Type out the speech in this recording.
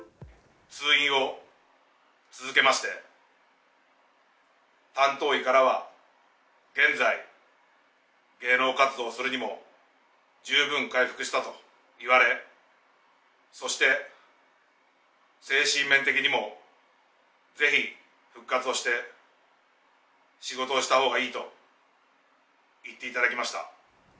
通院を続けまして、担当医からは、現在、芸能活動するにも十分回復したと言われ、そして精神面的にもぜひ復活をして、仕事をしたほうがいいと言っていただきました。